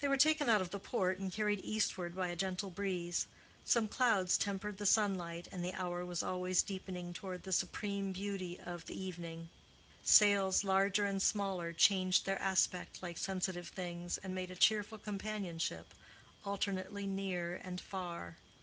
They were taken out of the port and carried eastward by a gentle breeze. Some clouds tempered the sunlight, and the hour was always deepening toward the supreme beauty of evening. Sails larger and smaller changed their aspect like sensitive things, and made a cheerful companionship, alternately near and far.